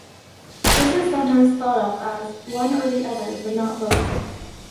This is sometimes thought of as "one or the other but not both".